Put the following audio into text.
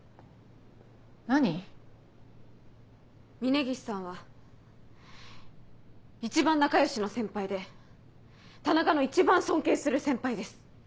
峰岸さんは一番仲良しの先輩で田中の一番尊敬する先輩です。